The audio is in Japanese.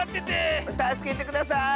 たすけてください！